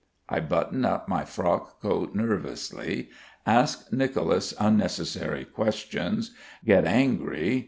I button up my frock coat nervously, ask Nicolas unnecessary questions, get angry....